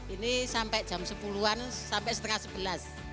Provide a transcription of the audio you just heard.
ini sampai jam sepuluh an sampai setengah sebelas